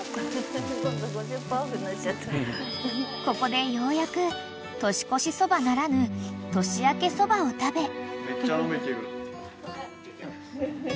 ［ここでようやく年越しそばならぬ年明けそばを食べ］